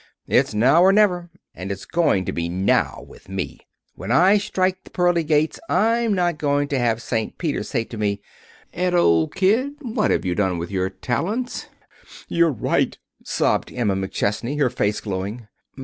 It's now or never. And it's going to be now with me. When I strike the pearly gates I'm not going to have Saint Peter say to me, 'Ed, old kid, what have you done with your talents?'" "You're right," sobbed Emma McChesney, her face glowing.